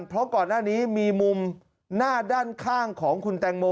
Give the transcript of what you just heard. เพราะก่อนหน้านี้มีมุมหน้าด้านข้างของคุณแตงโม